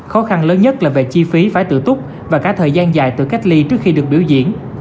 khó khăn lớn nhất là về chi phí phải tự túc và cả thời gian dài tự cách ly trước khi được biểu diễn